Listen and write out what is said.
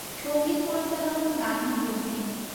সঙ্গীত পরিচালনা গান প্রিয়মের।